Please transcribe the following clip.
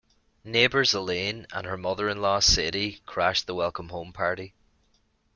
Neighbors Elaine and her mother-in-law Sadie crash the welcome-home party.